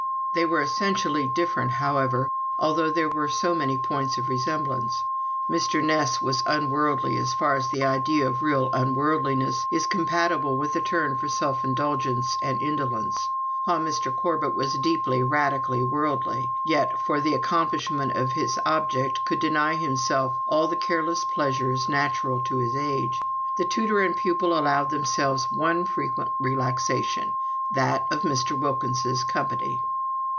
They were essentially different, however, although there were so many points of resemblance. Mr. Ness was unworldly as far as the idea of real unworldliness is compatible with a turn for self indulgence and indolence; while Mr. Corbet was deeply, radically worldly, yet for the accomplishment of his object could deny himself all the careless pleasures natural to his age. The tutor and pupil allowed themselves one frequent relaxation, that of Mr. Wilkins's company.